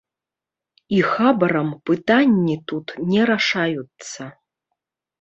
І хабарам пытанні тут не рашаюцца.